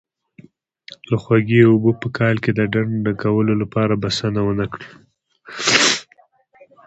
که خوږې اوبه په کال کې د ډنډ ډکولو لپاره بسنه ونه کړي.